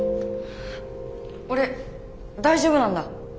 俺大丈夫なんだ。